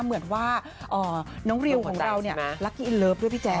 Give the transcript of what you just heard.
เหมือนว่าน้องริวของเราเนี่ยรักพี่อินเลิฟด้วยพี่แจ๊